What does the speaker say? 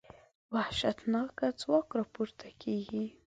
وحشتناکه ځواک راپورته کېږي.